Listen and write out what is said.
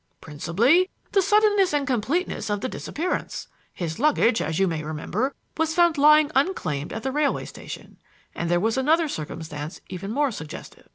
"Principally the suddenness and completeness of the disappearance. His luggage, as you may remember, was found lying unclaimed at the railway station; and there was another circumstance even more suggestive.